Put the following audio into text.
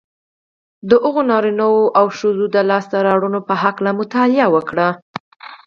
د هغو نارینهوو او ښځو د لاسته رواړنو په هکله مطالعه وکړئ